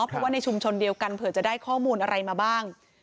เพราะว่าในชุมชนเดียวกันเผื่อจะได้ข้อมูลอะไรมาบ้าง